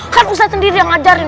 kan ustadz sendiri yang ngajarin